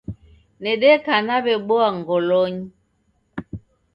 Nedeka naw'eboa ngolonyi